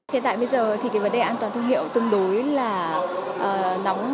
hiện tại bây giờ thì cái vấn đề an toàn thương hiệu tương đối là nóng